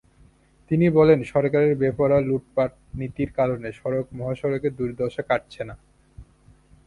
তিনি বলেন, সরকারের বেপরোয়া লুটপাটনীতির কারণে সড়ক মহাসড়কে দুর্দশা কাটছে না।